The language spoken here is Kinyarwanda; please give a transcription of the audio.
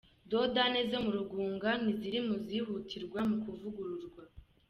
Dodane zo mu Rugunga ntiziri mu zihutirwa mu kuvugururwa